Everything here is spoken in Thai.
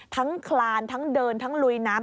คลานทั้งเดินทั้งลุยน้ำ